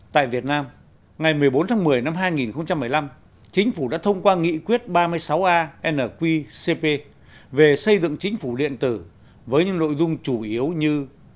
tại việt nam ngày một mươi bốn tháng một mươi năm hai nghìn một mươi năm chính phủ đã thông qua nghị quyết ba mươi sáu a nqcp về xây dựng chính phủ điện tử với những nội dung chủ yếu như